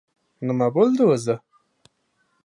— Nima bo‘ldi o‘zi?